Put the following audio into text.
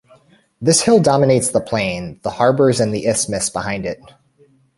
This hill dominates the plain, the harbours and the isthmus behind it.